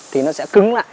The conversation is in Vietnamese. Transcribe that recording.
thì nó sẽ cứng lại